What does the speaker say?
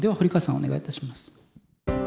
お願いいたします。